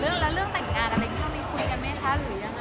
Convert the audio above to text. คือบอกเลยว่าเป็นครั้งแรกในชีวิตจิ๊บนะ